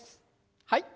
はい。